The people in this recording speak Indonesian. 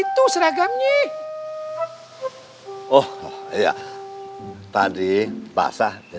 tunggu mana siapa